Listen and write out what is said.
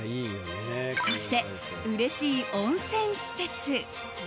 そしてうれしい温泉施設。